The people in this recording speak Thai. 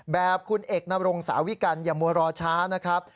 แบบคุณเอกนรงสาวิกัลอย่ามัวรอช้านะครับ